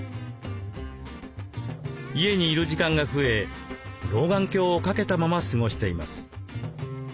家にいる時間が増え老眼鏡を掛けたまま過ごしています。